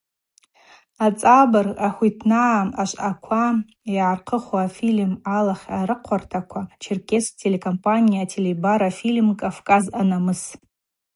Ацӏабырг ахвитнагӏа Ашвъаква йгӏархъыху афильм Алахь арыхъвартаква, Черкесск телекомпания Ателебара фильм Кӏавкӏаз анамыс.